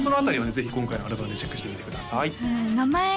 ぜひ今回のアルバムでチェックしてみてください